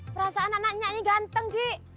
perasaan anak anak nyiak ini ganteng ji